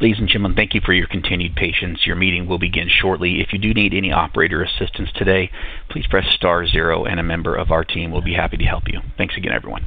Ladies and gentlemen, thank you for your continued patience. Your meeting will begin shortly. If you do need any operator assistance today, please press star zero, and a member of our team will be happy to help you. Thanks again, everyone.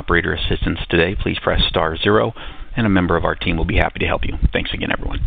Ladies and gentlemen, again, thank you for your continued patience. Your meeting will begin shortly. Again, if you do need any operator assistance today, please press star zero, and a member of our team will be happy to help you. Thanks again, everyone.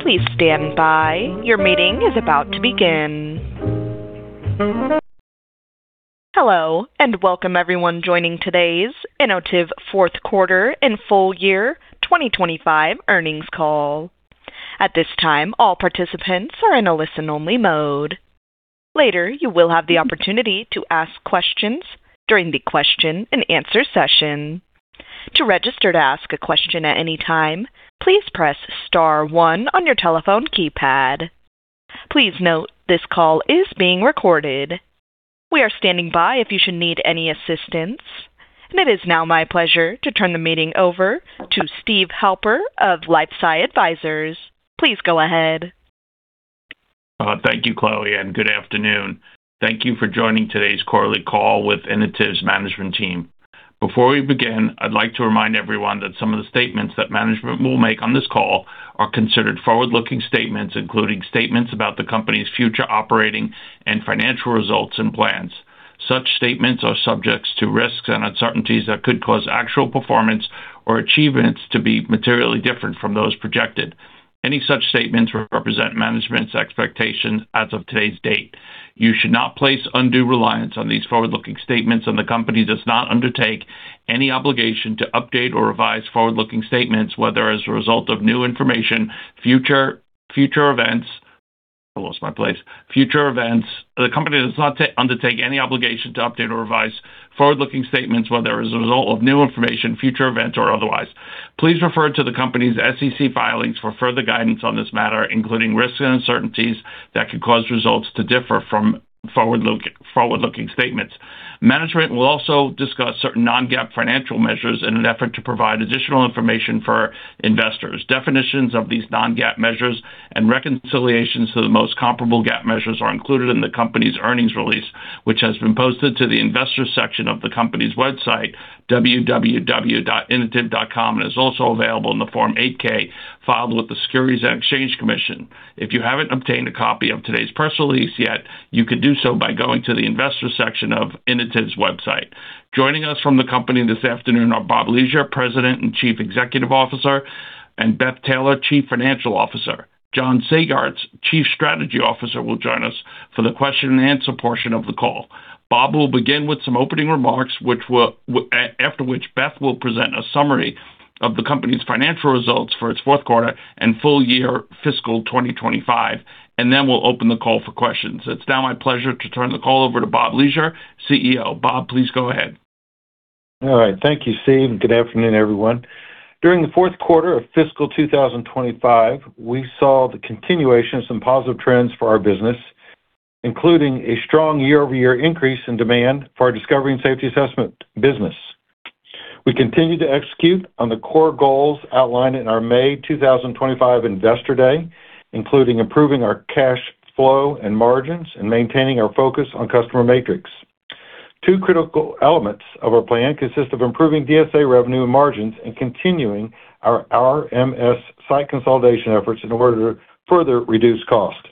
Please stand by. Your meeting is about to begin. Hello, and welcome everyone joining today's Inotiv fourth quarter and full year 2025 earnings call. At this time, all participants are in a listen-only mode. Later, you will have the opportunity to ask questions during the question-and-answer session. To register to ask a question at any time, please press star one on your telephone keypad. Please note this call is being recorded. We are standing by if you should need any assistance. And it is now my pleasure to turn the meeting over to Steve Halper of LifeSci Advisors. Please go ahead. Thank you, Chloe, and good afternoon. Thank you for joining today's quarterly call with Inotiv management team. Before we begin, I'd like to remind everyone that some of the statements that management will make on this call are considered forward-looking statements, including statements about the company's future operating and financial results and plans. Such statements are subject to risks and uncertainties that could cause actual performance or achievements to be materially different from those projected. Any such statements represent management's expectations as of today's date. You should not place undue reliance on these forward-looking statements, and the company does not undertake any obligation to update or revise forward-looking statements, whether as a result of new information, future events, or otherwise. Please refer to the company's SEC filings for further guidance on this matter, including risks and uncertainties that could cause results to differ from forward-looking statements. Management will also discuss certain non-GAAP financial measures in an effort to provide additional information for investors. Definitions of these non-GAAP measures and reconciliations to the most comparable GAAP measures are included in the company's earnings release, which has been posted to the Investor Section of the company's website, www.inotiv.com, and is also available in the Form 8-K filed with the Securities and Exchange Commission. If you haven't obtained a copy of today's press release yet, you could do so by going to the investor section of Inotiv's website. Joining us from the company this afternoon are Bob Leasure, President and Chief Executive Officer, and Beth Taylor, Chief Financial Officer. John Sagartz, Chief Strategy Officer, will join us for the question-and-answer portion of the call. Bob will begin with some opening remarks, after which Beth will present a summary of the company's financial results for its fourth quarter and full year fiscal 2025, and then we'll open the call for questions. It's now my pleasure to turn the call over to Bob Leasure, CEO. Bob, please go ahead. All right. Thank you, Steve, and good afternoon, everyone. During the fourth quarter of fiscal 2025, we saw the continuation of some positive trends for our business, including a strong year-over-year increase in demand for our discovery and safety assessment business. We continue to execute on the core goals outlined in our May 2025 Investor Day, including improving our cash flow and margins and maintaining our focus on customer matrix. Two critical elements of our plan consist of improving DSA revenue and margins and continuing our RMS site consolidation efforts in order to further reduce cost.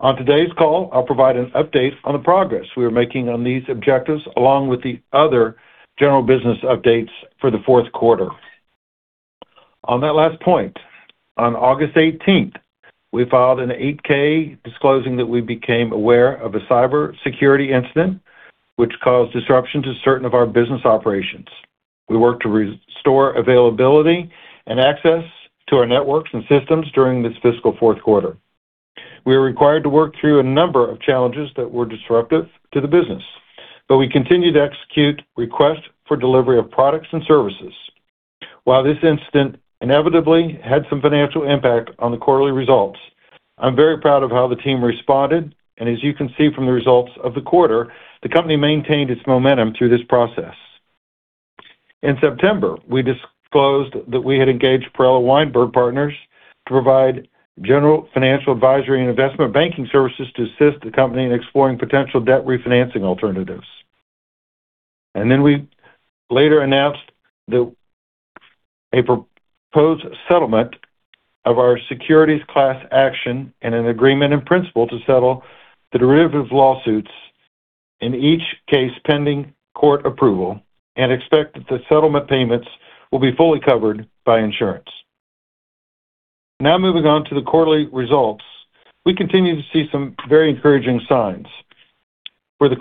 On today's call, I'll provide an update on the progress we are making on these objectives, along with the other general business updates for the fourth quarter. On that last point, on August 18th, we filed an 8-K disclosing that we became aware of a cybersecurity incident, which caused disruption to certain of our business operations. We worked to restore availability and access to our networks and systems during this fiscal fourth quarter. We were required to work through a number of challenges that were disruptive to the business, but we continued to execute requests for delivery of products and services. While this incident inevitably had some financial impact on the quarterly results, I'm very proud of how the team responded, and as you can see from the results of the quarter, the company maintained its momentum through this process. In September, we disclosed that we had engaged Perella Weinberg Partners to provide general financial advisory and investment banking services to assist the company in exploring potential debt refinancing alternatives. And then we later announced that a proposed settlement of our securities class action and an agreement in principle to settle the derivative lawsuits in each case pending court approval, and expect that the settlement payments will be fully covered by insurance. Now moving on to the quarterly results, we continue to see some very encouraging signs. For the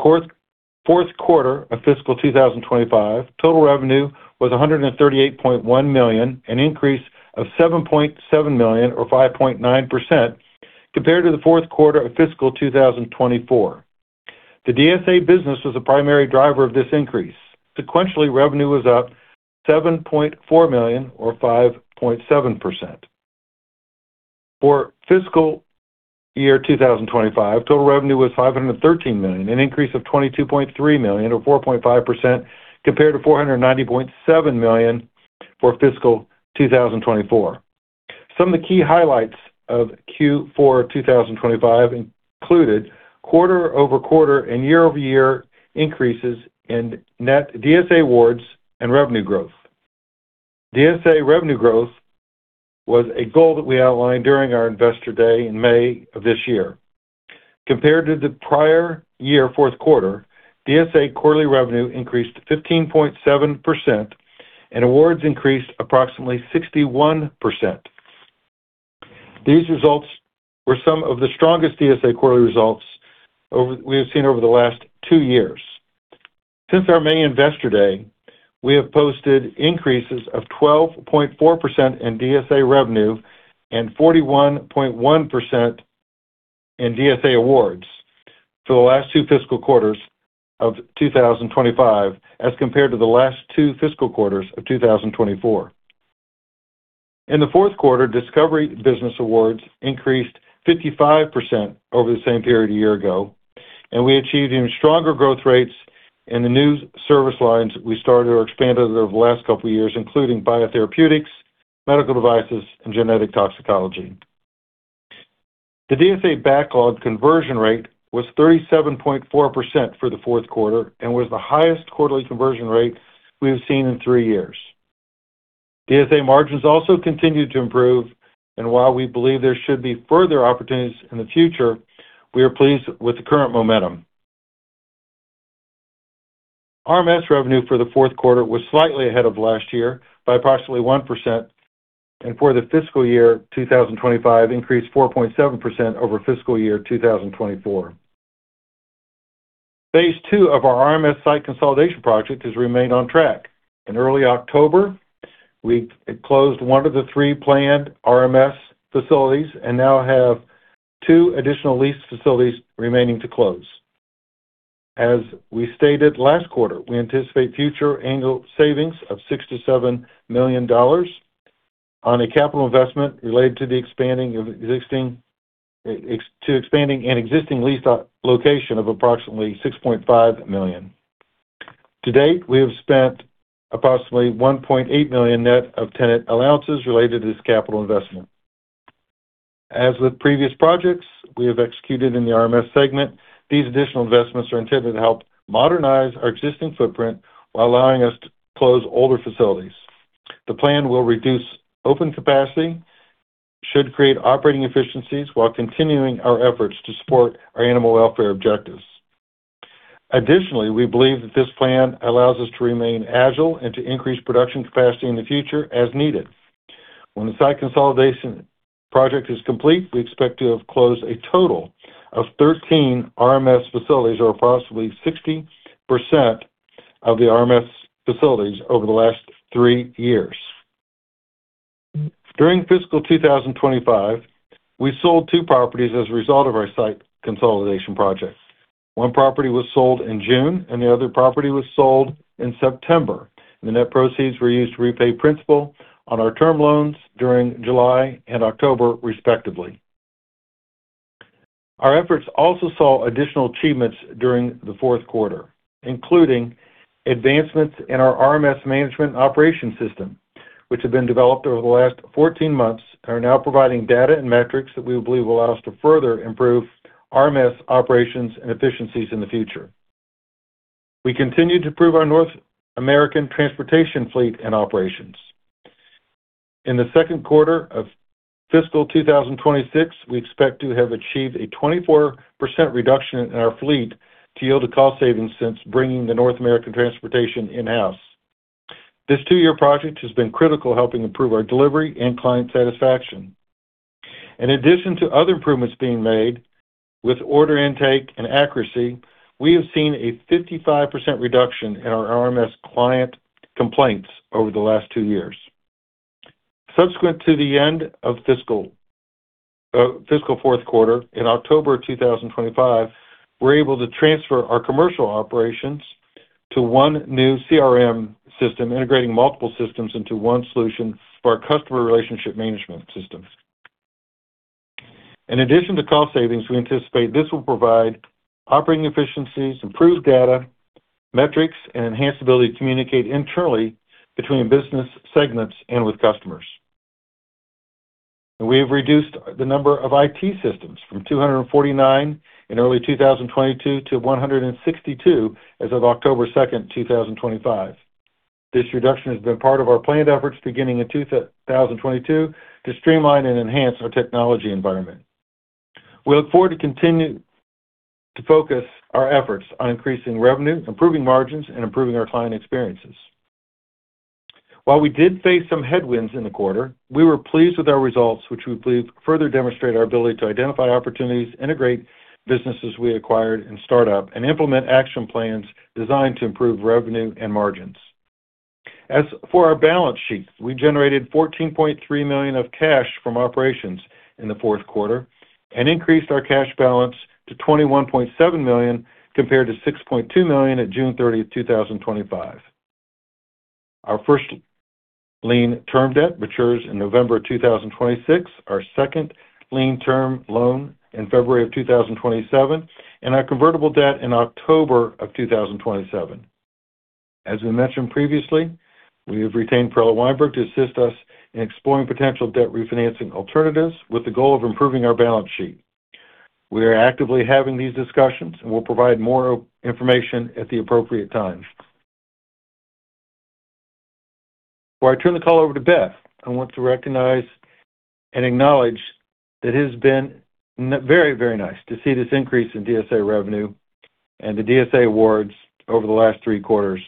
fourth quarter of fiscal 2025, total revenue was $138.1 million, an increase of $7.7 million or 5.9% compared to the fourth quarter of fiscal 2024. The DSA business was the primary driver of this increase. Sequentially, revenue was up $7.4 million or 5.7%. For fiscal year 2025, total revenue was $513 million, an increase of $22.3 million or 4.5% compared to $490.7 million for fiscal 2024. Some of the key highlights of Q4 2025 included quarter-over-quarter and year-over-year increases in net DSA Awards and revenue growth. DSA revenue growth was a goal that we outlined during our Investor Day in May of this year. Compared to the prior year fourth quarter, DSA quarterly revenue increased 15.7%, and awards increased approximately 61%. These results were some of the strongest DSA quarterly results we have seen over the last two years. Since our May Investor Day, we have posted increases of 12.4% in DSA revenue and 41.1% in DSA Awards for the last two fiscal quarters of 2025, as compared to the last two fiscal quarters of 2024. In the fourth quarter, discovery business awards increased 55% over the same period a year ago, and we achieved even stronger growth rates in the new service lines we started or expanded over the last couple of years, including biotherapeutics, medical devices, and genetic toxicology. The DSA backlog conversion rate was 37.4% for the fourth quarter and was the highest quarterly conversion rate we have seen in three years. DSA margins also continued to improve, and while we believe there should be further opportunities in the future, we are pleased with the current momentum. RMS revenue for the fourth quarter was slightly ahead of last year by approximately 1%, and for the fiscal year 2025, increased 4.7% over fiscal year 2024. Phase two of our RMS site consolidation project has remained on track. In early October, we closed one of the three planned RMS facilities and now have two additional lease facilities remaining to close. As we stated last quarter, we anticipate future annual savings of $6 million-$7 million on a capital investment related to expanding an existing lease location of approximately $6.5 million. To date, we have spent approximately $1.8 million net of tenant allowances related to this capital investment. As with previous projects we have executed in the RMS segment, these additional investments are intended to help modernize our existing footprint while allowing us to close older facilities. The plan will reduce open capacity, should create operating efficiencies while continuing our efforts to support our animal welfare objectives. Additionally, we believe that this plan allows us to remain agile and to increase production capacity in the future as needed. When the site consolidation project is complete, we expect to have closed a total of 13 RMS facilities or approximately 60% of the RMS facilities over the last three years. During fiscal 2025, we sold two properties as a result of our site consolidation project. One property was sold in June, and the other property was sold in September. The net proceeds were used to repay principal on our term loans during July and October, respectively. Our efforts also saw additional achievements during the fourth quarter, including advancements in our RMS management operation system, which had been developed over the last 14 months and are now providing data and metrics that we believe will allow us to further improve RMS operations and efficiencies in the future. We continue to improve our North American transportation fleet and operations. In the second quarter of fiscal 2026, we expect to have achieved a 24% reduction in our fleet to yield a cost savings since bringing the North American transportation in-house. This two-year project has been critical, helping improve our delivery and client satisfaction. In addition to other improvements being made with order intake and accuracy, we have seen a 55% reduction in our RMS client complaints over the last two years. Subsequent to the end of fiscal fourth quarter, in October 2025, we're able to transfer our commercial operations to one new CRM system, integrating multiple systems into one solution for our customer relationship management systems. In addition to cost savings, we anticipate this will provide operating efficiencies, improved data metrics, and enhanced ability to communicate internally between business segments and with customers. We have reduced the number of IT systems from 249 in early 2022 to 162 as of October 2nd, 2025. This reduction has been part of our planned efforts beginning in 2022 to streamline and enhance our technology environment. We look forward to continuing to focus our efforts on increasing revenue, improving margins, and improving our client experiences. While we did face some headwinds in the quarter, we were pleased with our results, which we believe further demonstrate our ability to identify opportunities, integrate businesses we acquired and startup, and implement action plans designed to improve revenue and margins. As for our balance sheet, we generated $14.3 million of cash from operations in the fourth quarter and increased our cash balance to $21.7 million compared to $6.2 million at June 30th, 2025. Our first lien term debt matures in November of 2026, our second lien term loan in February of 2027, and our convertible debt in October of 2027. As we mentioned previously, we have retained Perella Weinberg to assist us in exploring potential debt refinancing alternatives with the goal of improving our balance sheet. We are actively having these discussions and will provide more information at the appropriate time. Before I turn the call over to Beth, I want to recognize and acknowledge that it has been very, very nice to see this increase in DSA revenue and the DSA Awards over the last three quarters.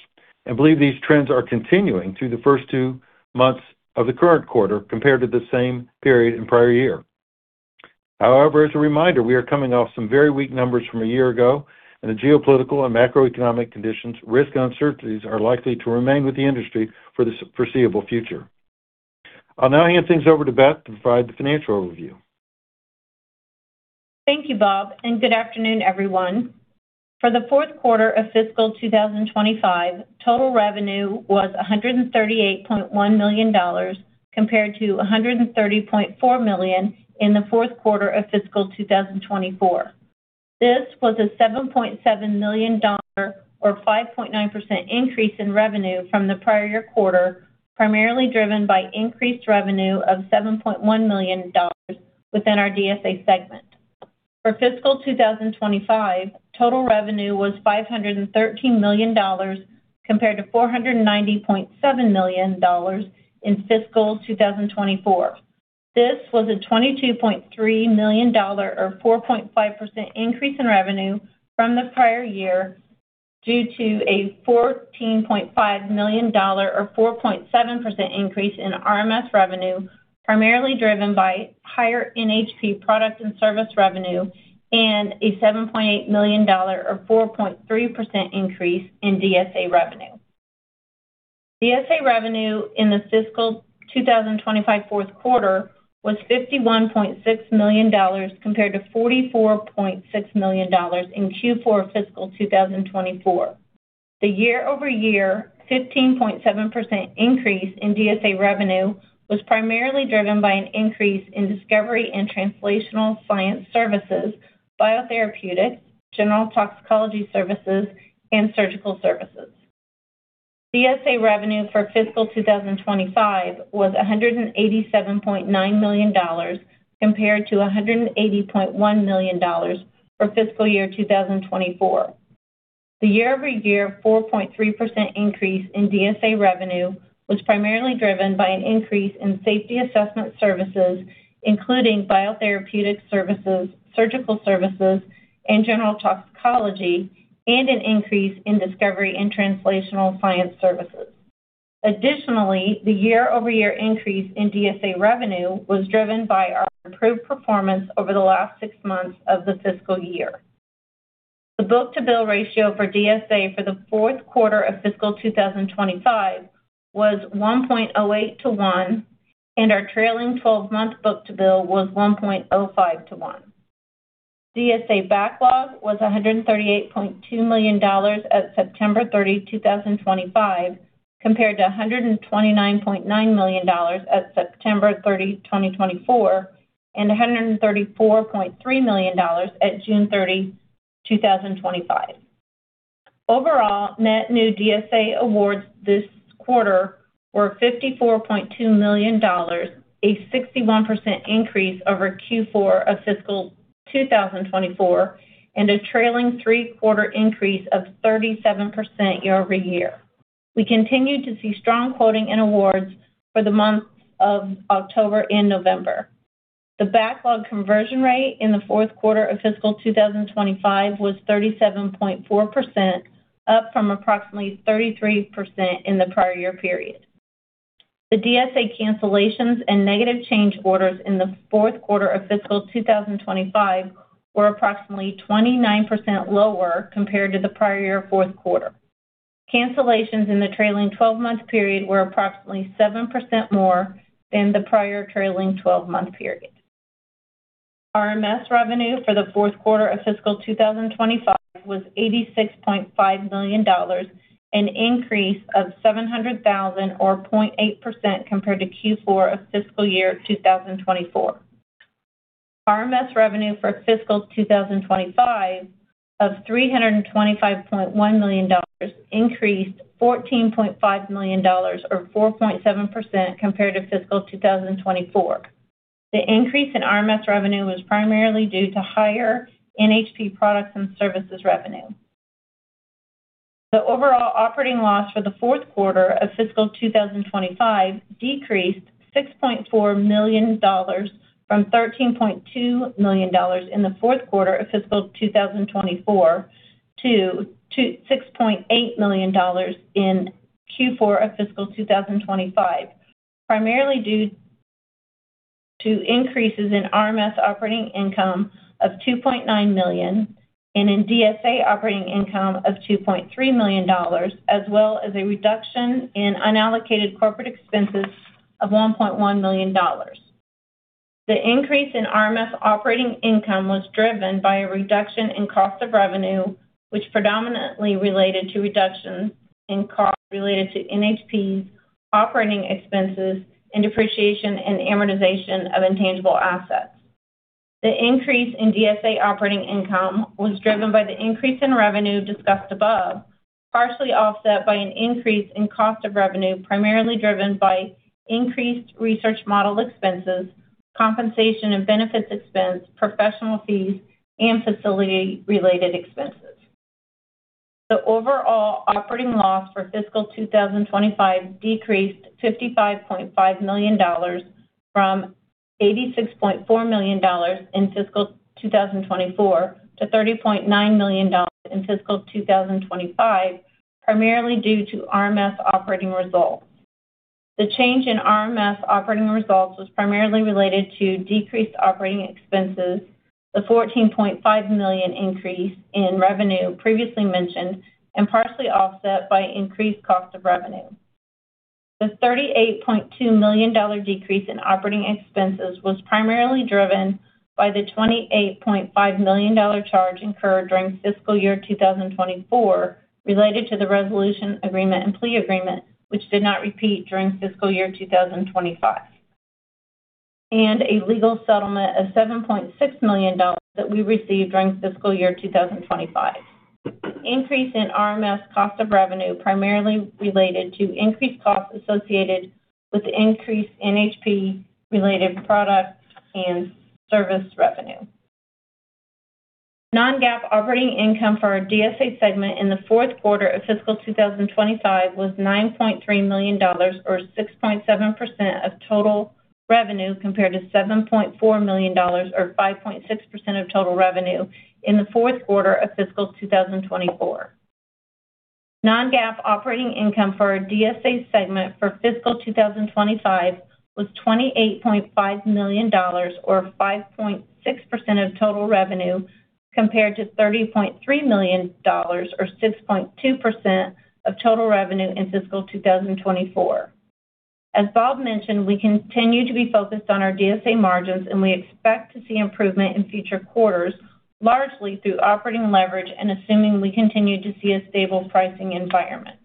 I believe these trends are continuing through the first two months of the current quarter compared to the same period in prior year. However, as a reminder, we are coming off some very weak numbers from a year ago, and the geopolitical and macroeconomic conditions, risks, and uncertainties are likely to remain with the industry for the foreseeable future. I'll now hand things over to Beth to provide the financial overview. Thank you, Bob, and good afternoon, everyone. For the fourth quarter of fiscal 2025, total revenue was $138.1 million compared to $130.4 million in the fourth quarter of fiscal 2024. This was a $7.7 million or 5.9% increase in revenue from the prior year quarter, primarily driven by increased revenue of $7.1 million within our DSA segment. For fiscal 2025, total revenue was $513 million compared to $490.7 million in fiscal 2024. This was a $22.3 million or 4.5% increase in revenue from the prior year due to a $14.5 million or 4.7% increase in RMS revenue, primarily driven by higher NHP product and service revenue and a $7.8 million or 4.3% increase in DSA revenue. DSA revenue in the fiscal 2025 fourth quarter was $51.6 million compared to $44.6 million in Q4 fiscal 2024. The year-over-year 15.7% increase in DSA revenue was primarily driven by an increase in discovery and translational science services, biotherapeutics, general toxicology services, and surgical services. DSA revenue for fiscal 2025 was $187.9 million compared to $180.1 million for fiscal year 2024. The year-over-year 4.3% increase in DSA revenue was primarily driven by an increase in safety assessment services, including biotherapeutic services, surgical services, and general toxicology, and an increase in discovery and translational science services. Additionally, the year-over-year increase in DSA revenue was driven by our improved performance over the last six months of the fiscal year. The book-to-bill ratio for DSA for the fourth quarter of fiscal 2025 was 1.08 to 1, and our trailing 12-month book-to-bill was 1.05 to 1. DSA backlog was $138.2 million at September 30, 2025, compared to $129.9 million at September 30, 2024, and $134.3 million at June 30, 2025. Overall, net new DSA Awards this quarter were $54.2 million, a 61% increase over Q4 of fiscal 2024, and a trailing three-quarter increase of 37% year-over-year. We continued to see strong quoting and awards for the months of October and November. The backlog conversion rate in the fourth quarter of fiscal 2025 was 37.4%, up from approximately 33% in the prior year period. The DSA cancellations and negative change orders in the fourth quarter of fiscal 2025 were approximately 29% lower compared to the prior year fourth quarter. Cancellations in the trailing 12-month period were approximately 7% more than the prior trailing 12-month period. RMS revenue for the fourth quarter of fiscal 2025 was $86.5 million, an increase of $700,000 or 0.8% compared to Q4 of fiscal year 2024. RMS revenue for fiscal 2025 of $325.1 million increased $14.5 million or 4.7% compared to fiscal 2024. The increase in RMS revenue was primarily due to higher NHP products and services revenue. The overall operating loss for the fourth quarter of fiscal 2025 decreased $6.4 million from $13.2 million in the fourth quarter of fiscal 2024 to $6.8 million in Q4 of fiscal 2025, primarily due to increases in RMS operating income of $2.9 million and in DSA operating income of $2.3 million, as well as a reduction in unallocated corporate expenses of $1.1 million. The increase in RMS operating income was driven by a reduction in cost of revenue, which predominantly related to reductions in cost related to NHP's operating expenses and depreciation and amortization of intangible assets. The increase in DSA operating income was driven by the increase in revenue discussed above, partially offset by an increase in cost of revenue, primarily driven by increased research model expenses, compensation and benefits expense, professional fees, and facility-related expenses. The overall operating loss for fiscal 2025 decreased $55.5 million from $86.4 million in fiscal 2024 to $30.9 million in fiscal 2025, primarily due to RMS operating results. The change in RMS operating results was primarily related to decreased operating expenses, the $14.5 million increase in revenue previously mentioned, and partially offset by increased cost of revenue. The $38.2 million decrease in operating expenses was primarily driven by the $28.5 million charge incurred during fiscal year 2024 related to the resolution agreement and plea agreement, which did not repeat during fiscal year 2025, and a legal settlement of $7.6 million that we received during fiscal year 2025. Increase in RMS cost of revenue primarily related to increased costs associated with increased NHP-related product and service revenue. Non-GAAP operating income for our DSA segment in the fourth quarter of fiscal 2025 was $9.3 million or 6.7% of total revenue compared to $7.4 million or 5.6% of total revenue in the fourth quarter of fiscal 2024. Non-GAAP operating income for our DSA segment for fiscal 2025 was $28.5 million or 5.6% of total revenue compared to $30.3 million or 6.2% of total revenue in fiscal 2024. As Bob mentioned, we continue to be focused on our DSA margins, and we expect to see improvement in future quarters, largely through operating leverage and assuming we continue to see a stable pricing environment.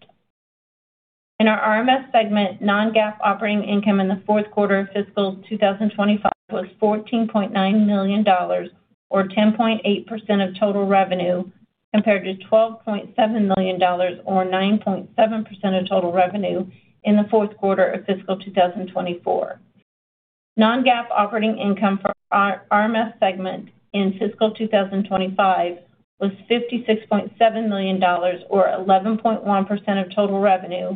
In our RMS segment, Non-GAAP operating income in the fourth quarter of fiscal 2025 was $14.9 million or 10.8% of total revenue compared to $12.7 million or 9.7% of total revenue in the fourth quarter of fiscal 2024. Non-GAAP operating income for our RMS segment in fiscal 2025 was $56.7 million or 11.1% of total revenue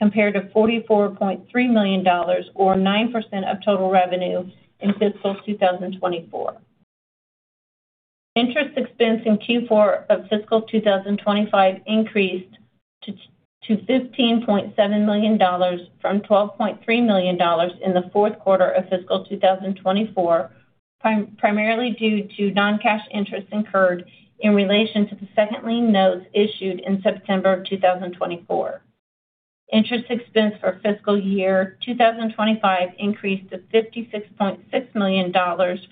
compared to $44.3 million or 9% of total revenue in fiscal 2024. Interest expense in Q4 of fiscal 2025 increased to $15.7 million from $12.3 million in the fourth quarter of fiscal 2024, primarily due to non-cash interest incurred in relation to the second lien notes issued in September of 2024. Interest expense for fiscal year 2025 increased to $56.6 million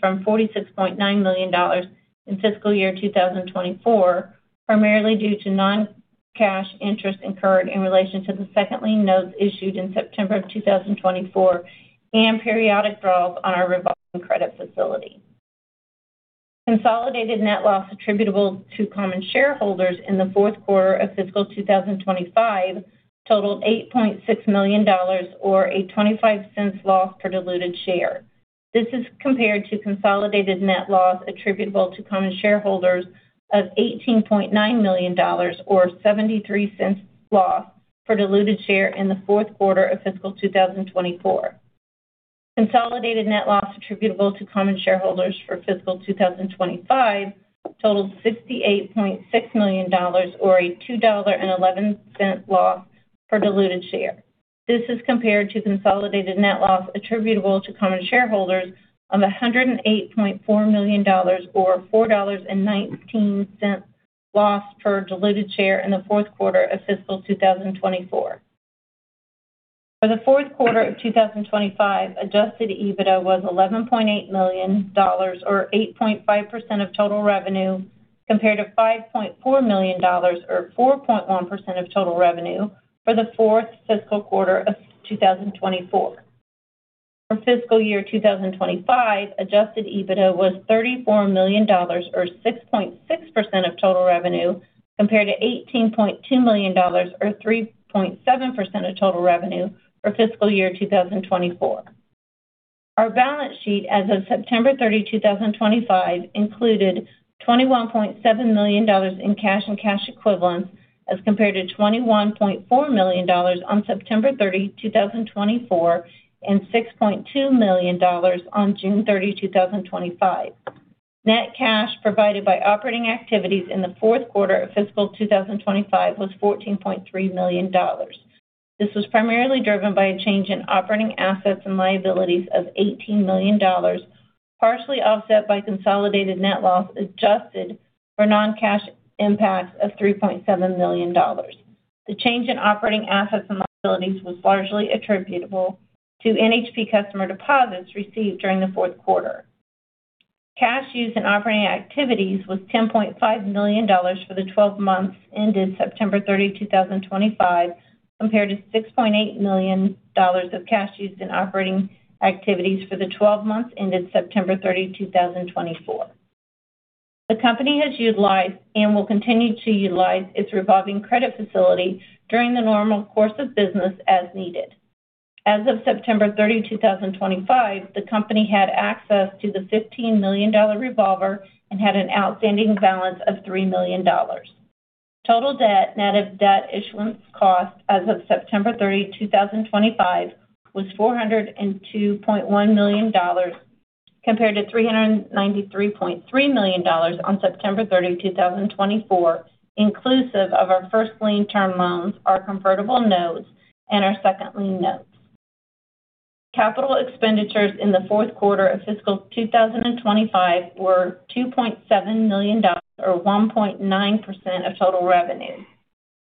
from $46.9 million in fiscal year 2024, primarily due to non-cash interest incurred in relation to the second lien notes issued in September of 2024 and periodic draws on our revolving credit facility. Consolidated net loss attributable to common shareholders in the fourth quarter of fiscal 2025 totaled $8.6 million or a $0.25 loss per diluted share. This is compared to consolidated net loss attributable to common shareholders of $18.9 million or a $0.73 loss per diluted share in the fourth quarter of fiscal 2024. Consolidated net loss attributable to common shareholders for fiscal 2025 totaled $68.6 million or a $2.11 loss per diluted share. This is compared to consolidated net loss attributable to common shareholders of $108.4 million or a $4.19 loss per diluted share for fiscal 2024. For the fourth quarter of 2025, Adjusted EBITDA was $11.8 million or 8.5% of total revenue compared to $5.4 million or 4.1% of total revenue for the fourth fiscal quarter of 2024. For fiscal year 2025, Adjusted EBITDA was $34 million or 6.6% of total revenue compared to $18.2 million or 3.7% of total revenue for fiscal year 2024. Our balance sheet as of September 30, 2025, included $21.7 million in cash and cash equivalents as compared to $21.4 million on September 30, 2024, and $6.2 million on June 30, 2025. Net cash provided by operating activities in the fourth quarter of fiscal 2025 was $14.3 million. This was primarily driven by a change in operating assets and liabilities of $18 million, partially offset by consolidated net loss adjusted for non-cash impacts of $3.7 million. The change in operating assets and liabilities was largely attributable to NHP customer deposits received during the fourth quarter. Cash used in operating activities was $10.5 million for the 12 months ended September 30, 2025, compared to $6.8 million of cash used in operating activities for the 12 months ended September 30, 2024. The company has utilized and will continue to utilize its revolving credit facility during the normal course of business as needed. As of September 30, 2025, the company had access to the $15 million revolver and had an outstanding balance of $3 million. Total debt net of debt issuance cost as of September 30, 2025, was $402.1 million compared to $393.3 million on September 30, 2024, inclusive of our first lien term loans, our convertible notes, and our second lien notes. Capital expenditures in the fourth quarter of fiscal 2025 were $2.7 million or 1.9% of total revenue.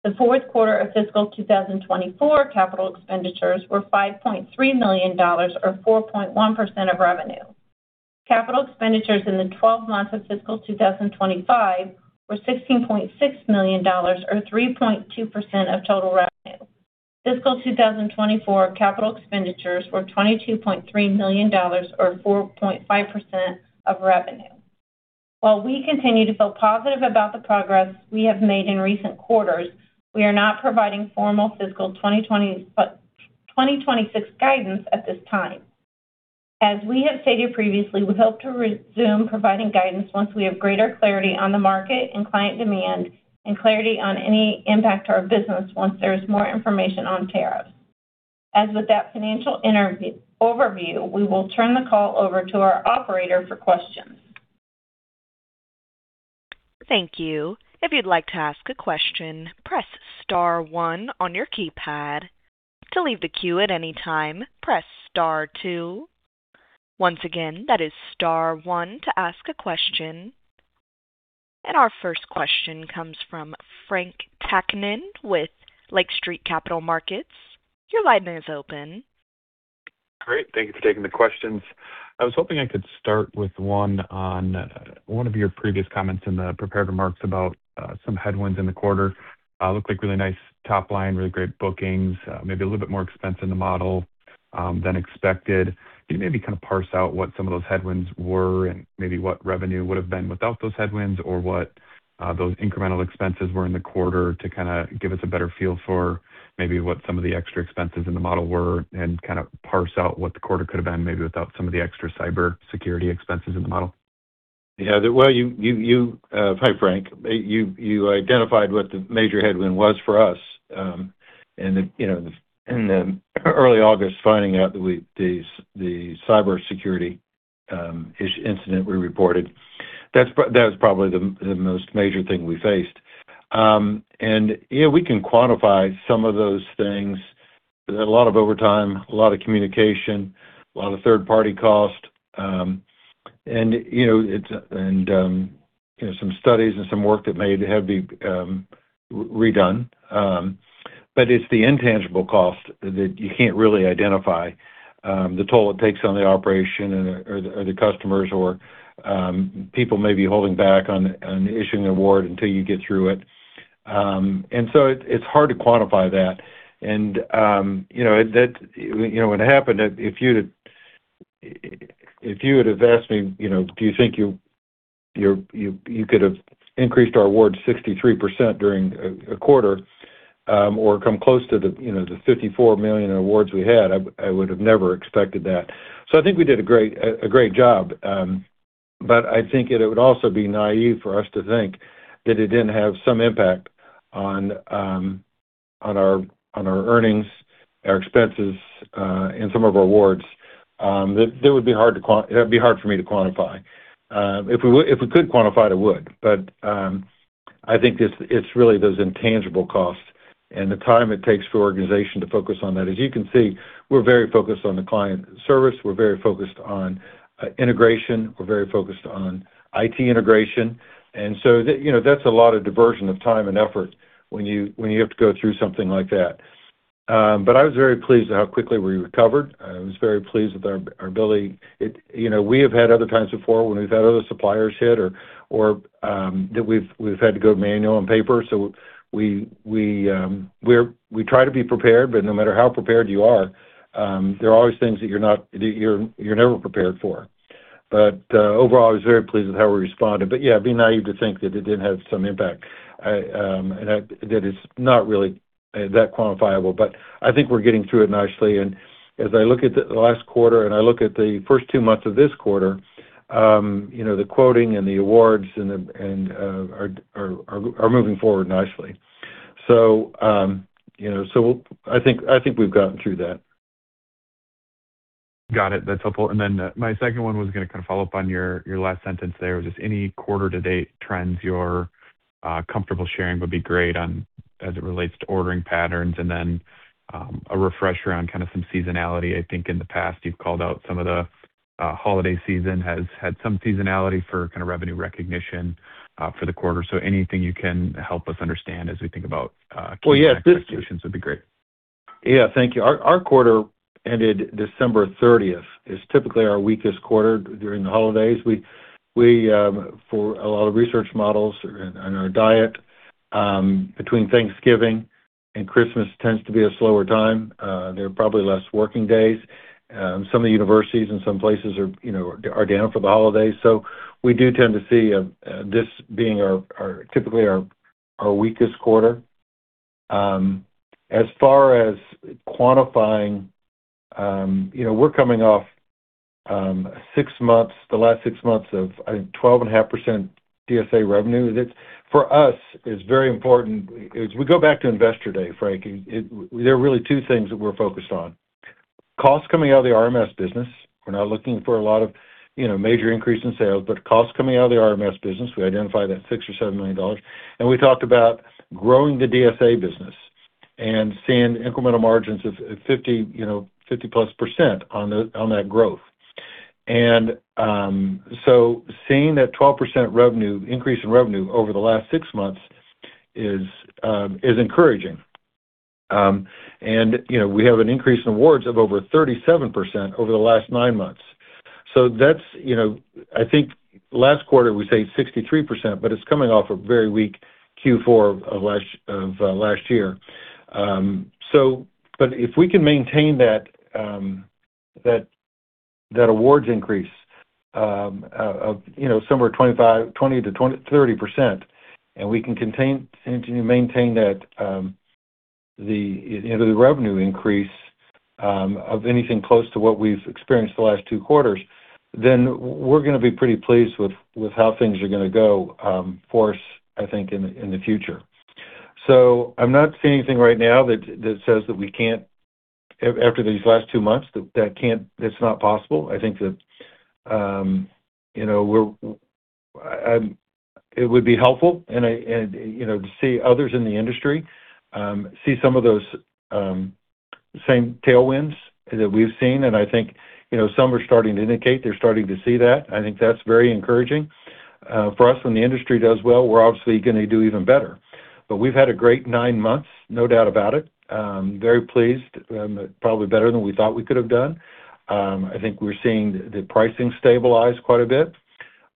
The fourth quarter of fiscal 2024 capital expenditures were $5.3 million or 4.1% of revenue. Capital expenditures in the 12 months of fiscal 2025 were $16.6 million or 3.2% of total revenue. Fiscal 2024 capital expenditures were $22.3 million or 4.5% of revenue. While we continue to feel positive about the progress we have made in recent quarters, we are not providing formal fiscal 2026 guidance at this time. As we have stated previously, we hope to resume providing guidance once we have greater clarity on the market and client demand and clarity on any impact to our business once there is more information on tariffs. As with that financial overview, we will turn the call over to our operator for questions. Thank you. If you'd like to ask a question, press star one on your keypad. To leave the queue at any time, press star two. Once again, that is star one to ask a question. And our first question comes from Frank Takkinen with Lake Street Capital Markets. Your line is open. Great. Thank you for taking the questions. I was hoping I could start with one on one of your previous comments in the prepared remarks about some headwinds in the quarter. Looked like really nice top line, really great bookings, maybe a little bit more expense in the model than expected. Can you maybe kind of parse out what some of those headwinds were and maybe what revenue would have been without those headwinds or what those incremental expenses were in the quarter to kind of give us a better feel for maybe what some of the extra expenses in the model were and kind of parse out what the quarter could have been maybe without some of the extra cybersecurity expenses in the model? Yeah. Hi Frank, you identified what the major headwind was for us in early August, finding out that the cybersecurity incident we reported. That was probably the most major thing we faced. And we can quantify some of those things, a lot of overtime, a lot of communication, a lot of third-party cost, and some studies and some work that may have to be redone. But it's the intangible cost that you can't really identify, the toll it takes on the operation or the customers or people maybe holding back on issuing an award until you get through it. And so it's hard to quantify that. And what happened, if you had asked me, "Do you think you could have increased our awards 63% during a quarter or come close to the $54 million awards we had?" I would have never expected that. So I think we did a great job. But I think it would also be naive for us to think that it didn't have some impact on our earnings, our expenses, and some of our awards. That would be hard to-that'd be hard for me to quantify. If we could quantify, it would. But I think it's really those intangible costs and the time it takes for an organization to focus on that. As you can see, we're very focused on the client service. We're very focused on integration. We're very focused on IT integration. And so that's a lot of diversion of time and effort when you have to go through something like that. But I was very pleased with how quickly we recovered. I was very pleased with our ability. We have had other times before when we've had other suppliers hit or that we've had to go manual on paper. So we try to be prepared, but no matter how prepared you are, there are always things that you're never prepared for. But overall, I was very pleased with how we responded. But yeah, it'd be naive to think that it didn't have some impact and that it's not really that quantifiable. But I think we're getting through it nicely. And as I look at the last quarter and I look at the first two months of this quarter, the quoting and the awards are moving forward nicely. So I think we've gotten through that. Got it. That's helpful. And then my second one was going to kind of follow up on your last sentence there. Just any quarter-to-date trends you're comfortable sharing would be great as it relates to ordering patterns and then a refresher on kind of some seasonality. I think in the past, you've called out some of the holiday season has had some seasonality for kind of revenue recognition for the quarter. So anything you can help us understand as we think about key recommendations would be great. Yeah. Thank you. Our quarter ended December 30th. It's typically our weakest quarter during the holidays. For a lot of research models and our diet, between Thanksgiving and Christmas tends to be a slower time. There are probably less working days. Some of the universities in some places are down for the holidays. So we do tend to see this being typically our weakest quarter. As far as quantifying, we're coming off the last six months of, I think, 12.5% DSA revenue. For us, it's very important. We go back to Investor Day, Frank. There are really two things that we're focused on: costs coming out of the RMS business. We're not looking for a lot of major increase in sales, but costs coming out of the RMS business. We identify that $6 million-$7 million. And we talked about growing the DSA business and seeing incremental margins of 50+% on that growth. And so seeing that 12% increase in revenue over the last six months is encouraging. And we have an increase in awards of over 37% over the last nine months. So I think last quarter we saved 63%, but it's coming off a very weak Q4 of last year. But if we can maintain that awards increase of somewhere 20%-30% and we can continue to maintain the revenue increase of anything close to what we've experienced the last two quarters, then we're going to be pretty pleased with how things are going to go for us, I think, in the future. So I'm not seeing anything right now that says that we can't after these last two months that it's not possible. I think it would be helpful to see others in the industry see some of those same tailwinds that we've seen. And I think some are starting to indicate they're starting to see that. I think that's very encouraging. For us, when the industry does well, we're obviously going to do even better. But we've had a great nine months, no doubt about it. Very pleased. Probably better than we thought we could have done. I think we're seeing the pricing stabilize quite a bit.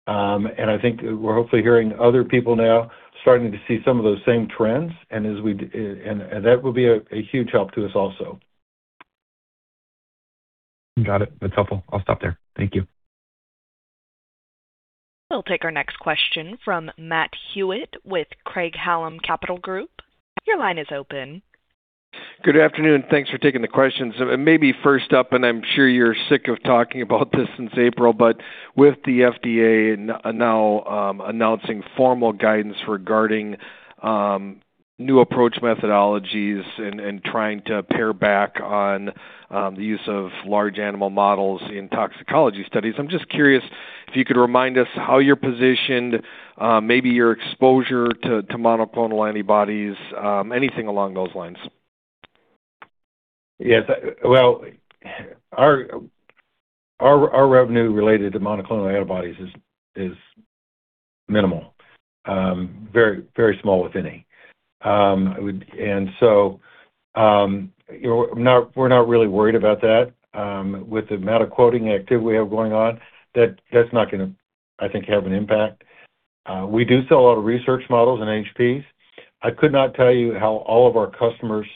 And I think we're hopefully hearing other people now starting to see some of those same trends. And that will be a huge help to us also. Got it. That's helpful. I'll stop there. Thank you. We'll take our next question from Matt Hewitt with Craig-Hallum Capital Group. Your line is open. Good afternoon. Thanks for taking the questions. Maybe first up, and I'm sure you're sick of talking about this since April, but with the FDA now announcing formal guidance regarding new approach methodologies and trying to pare back on the use of large animal models in toxicology studies, I'm just curious if you could remind us how you're positioned, maybe your exposure to monoclonal antibodies, anything along those lines. Yes. Our revenue related to monoclonal antibodies is minimal, very small if any, and so we're not really worried about that. With the amount of quoting activity we have going on, that's not going to, I think, have an impact. We do sell a lot of research models and NHPs. I could not tell you how all of our customers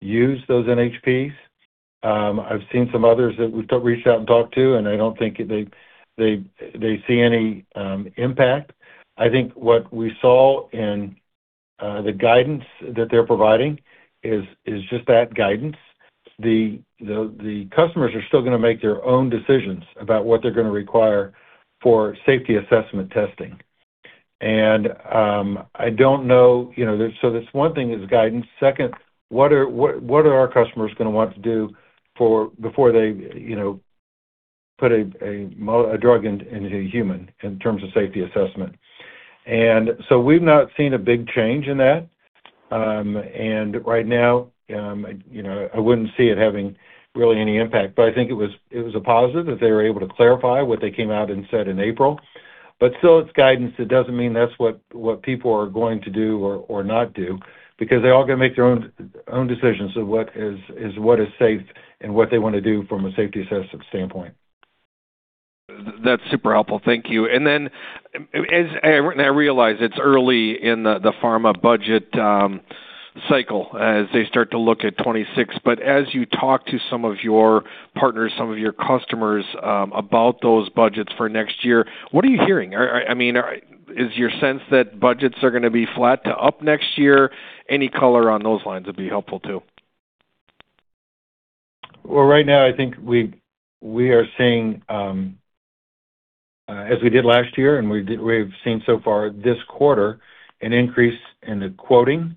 use those NHPs. I've seen some others that we've reached out and talked to, and I don't think they see any impact. I think what we saw in the guidance that they're providing is just that guidance. The customers are still going to make their own decisions about what they're going to require for safety assessment testing, and I don't know, so that's one thing is guidance. Second, what are our customers going to want to do before they put a drug into a human in terms of safety assessment? And so we've not seen a big change in that. And right now, I wouldn't see it having really any impact. But I think it was a positive that they were able to clarify what they came out and said in April. But still, it's guidance. It doesn't mean that's what people are going to do or not do because they're all going to make their own decisions of what is safe and what they want to do from a safety assessment standpoint. That's super helpful. Thank you. And then I realize it's early in the pharma budget cycle as they start to look at 2026. But as you talk to some of your partners, some of your customers about those budgets for next year, what are you hearing? I mean, is your sense that budgets are going to be flat to up next year? Any color on those lines would be helpful too. Right now, I think we are seeing, as we did last year, and we've seen so far this quarter, an increase in the quoting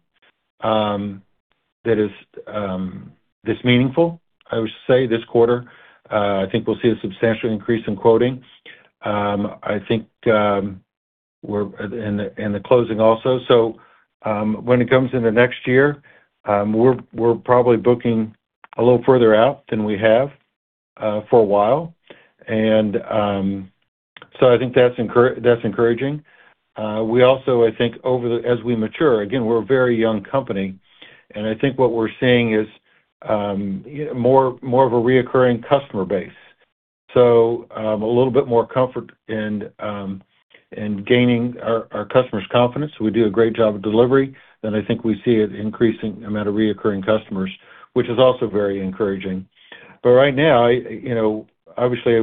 that is meaningful, I would say, this quarter. I think we'll see a substantial increase in quoting, I think, in the closing also. When it comes in the next year, we're probably booking a little further out than we have for a while. I think that's encouraging. We also, I think, as we mature, again, we're a very young company. I think what we're seeing is more of a recurring customer base. A little bit more comfort in gaining our customers' confidence. We do a great job of delivery. I think we see an increasing amount of recurring customers, which is also very encouraging. But right now, obviously,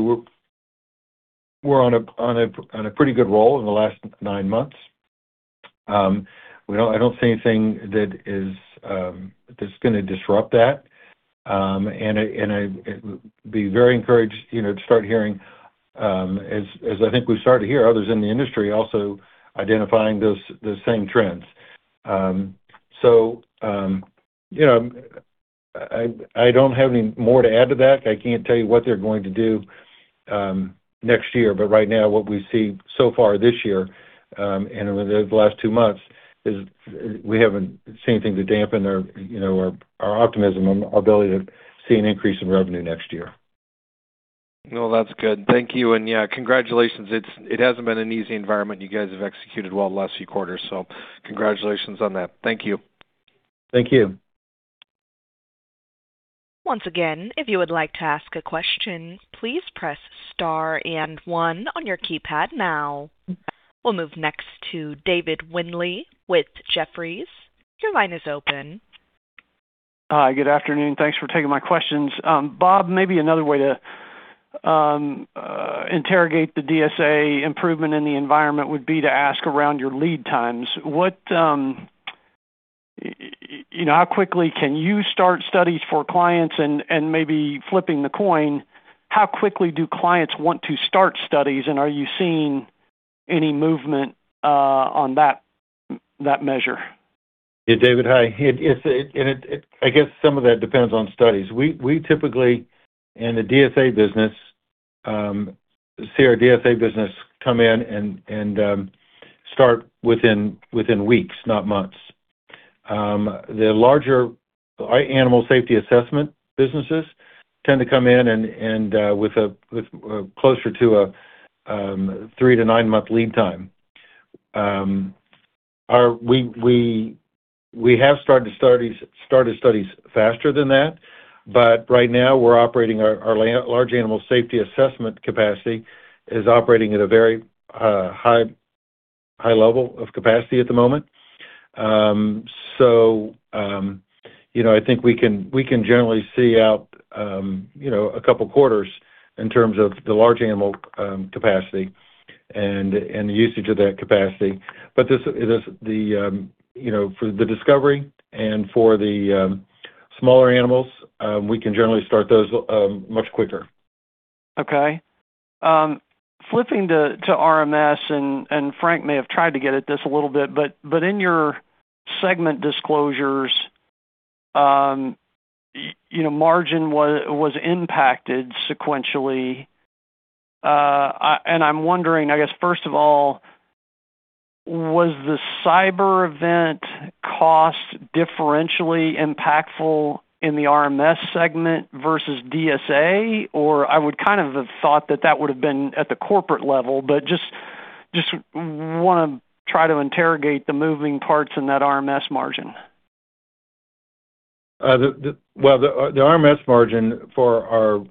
we're on a pretty good roll in the last nine months. I don't see anything that's going to disrupt that. And I'd be very encouraged to start hearing, as I think we've started to hear, others in the industry also identifying those same trends. So I don't have any more to add to that. I can't tell you what they're going to do next year. But right now, what we see so far this year and over the last two months is we haven't seen anything to dampen our optimism on our ability to see an increase in revenue next year. Well, that's good. Thank you. And yeah, congratulations. It hasn't been an easy environment. You guys have executed well the last few quarters. So congratulations on that. Thank you. Thank you. Once again, if you would like to ask a question, please press star and one on your keypad now. We'll move next to David Windley with Jefferies. Your line is open. Hi. Good afternoon. Thanks for taking my questions. Bob, maybe another way to interrogate the DSA improvement in the environment would be to ask around your lead times. How quickly can you start studies for clients? And maybe flipping the coin, how quickly do clients want to start studies? And are you seeing any movement on that measure? Yeah, David, hi. And I guess some of that depends on studies. We typically, in the DSA business, see our DSA business come in and start within weeks, not months. The larger animal safety assessment businesses tend to come in with closer to a three-to nine-month lead time. We have started studies faster than that. But right now, we're operating our large animal safety assessment capacity, is operating at a very high level of capacity at the moment. So I think we can generally see out a couple of quarters in terms of the large animal capacity and the usage of that capacity. But for the discovery and for the smaller animals, we can generally start those much quicker. Okay. Flipping to RMS, and Frank may have tried to get at this a little bit, but in your segment disclosures, margin was impacted sequentially. And I'm wondering, I guess, first of all, was the cyber event cost differentially impactful in the RMS segment versus DSA? Or I would kind of have thought that that would have been at the corporate level, but just want to try to interrogate the moving parts in that RMS margin. The RMS margin for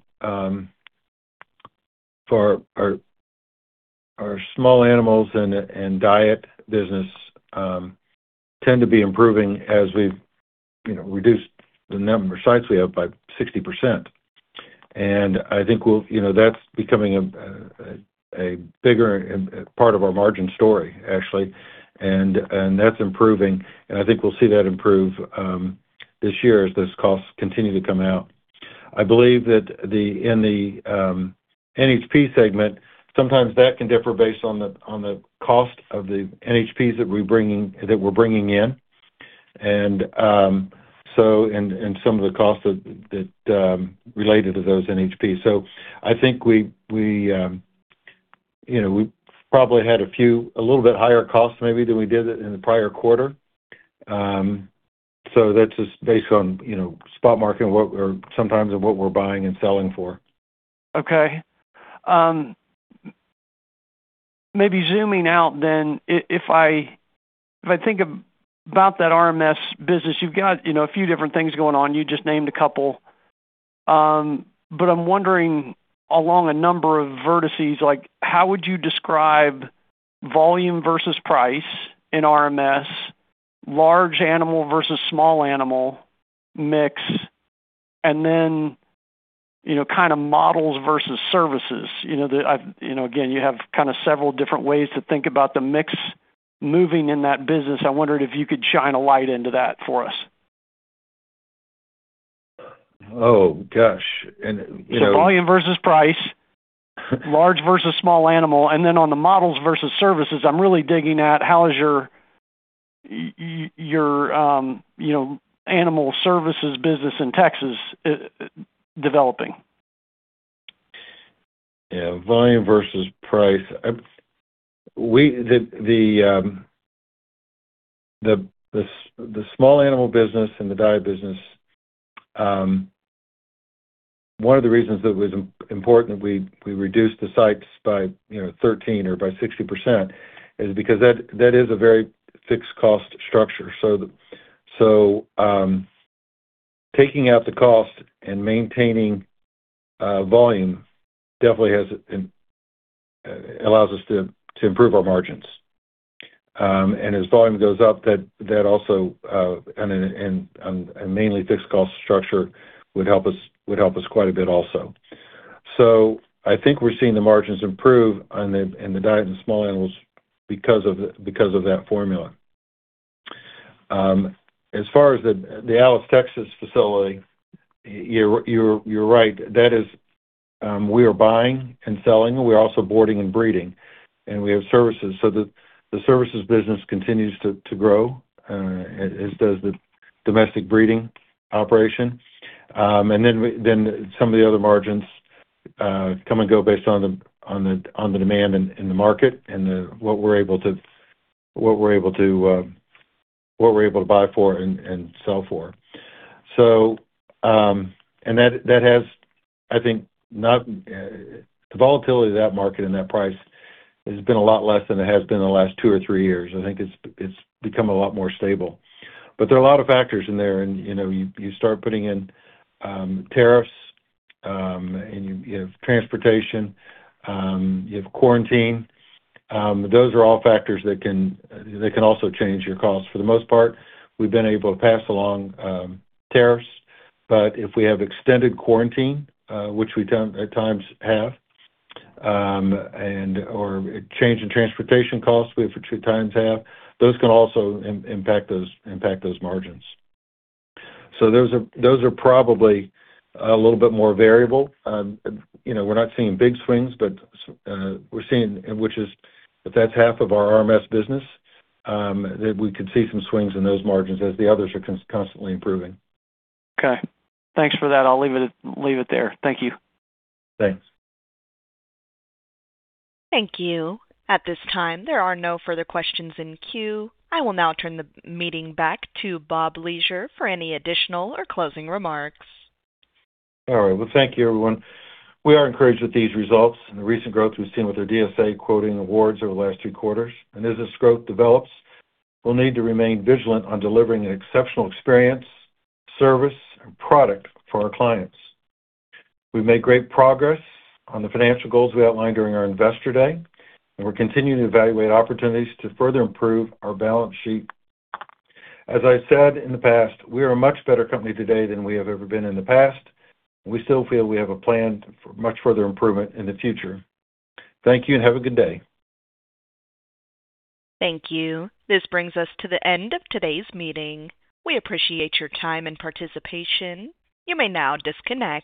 our small animals and diet business tends to be improving as we've reduced the number of sites we have by 60%, and I think that's becoming a bigger part of our margin story, actually, and that's improving, and I think we'll see that improve this year as those costs continue to come out. I believe that in the NHP segment, sometimes that can differ based on the cost of the NHPs that we're bringing in and some of the costs related to those NHPs, so I think we probably had a little bit higher costs maybe than we did in the prior quarter, so that's just based on spot market or sometimes of what we're buying and selling for. Okay. Maybe zooming out then, if I think about that RMS business, you've got a few different things going on. You just named a couple. But I'm wondering along a number of vectors, how would you describe volume versus price in RMS, large animal versus small animal mix, and then kind of models versus services? Again, you have kind of several different ways to think about the mix moving in that business. I wondered if you could shine a light into that for us. Oh, gosh. So volume versus price, large versus small animal. And then on the models versus services, I'm really digging at how is your animal services business in Texas developing? Yeah. Volume versus price. The small animal business and the diet business, one of the reasons that it was important that we reduced the sites by 13% or by 60% is because that is a very fixed cost structure. So taking out the cost and maintaining volume definitely allows us to improve our margins. As volume goes up, that also and mainly fixed cost structure would help us quite a bit also. So I think we're seeing the margins improve in the diet and small animals because of that formula. As far as the Alice, Texas facility, you're right. We are buying and selling. We're also boarding and breeding. And we have services. So the services business continues to grow, as does the domestic breeding operation. And then some of the other margins come and go based on the demand in the market and what we're able to buy for and sell for. And that has, I think, not the volatility of that market and that price has been a lot less than it has been in the last two or three years. I think it's become a lot more stable. But there are a lot of factors in there. And you start putting in tariffs, and you have transportation, you have quarantine. Those are all factors that can also change your cost. For the most part, we've been able to pass along tariffs. But if we have extended quarantine, which we at times have, or change in transportation costs we have at times, those can also impact those margins. So those are probably a little bit more variable. We're not seeing big swings, but we're seeing which is if that's half of our RMS business, that we could see some swings in those margins as the others are constantly improving. Okay. Thanks for that. I'll leave it there. Thank you. Thanks. Thank you. At this time, there are no further questions in queue. I will now turn the meeting back to Bob Leasure for any additional or closing remarks. All right. Well, thank you, everyone. We are encouraged with these results and the recent growth we've seen with our DSA quoting awards over the last three quarters. And as this growth develops, we'll need to remain vigilant on delivering an exceptional experience, service, and product for our clients. We've made great progress on the financial goals we outlined during our Investor Day. And we're continuing to evaluate opportunities to further improve our balance sheet. As I said in the past, we are a much better company today than we have ever been in the past. We still feel we have a plan for much further improvement in the future. Thank you and have a good day. Thank you. This brings us to the end of today's meeting. We appreciate your time and participation. You may now disconnect.